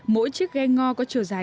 mỗi chiếc ghe ngò có trở dài